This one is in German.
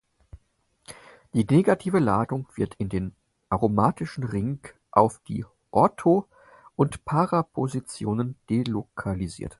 Die negative Ladung wird in den aromatischen Ring auf die "ortho"- und "para"-Positionen delokalisiert.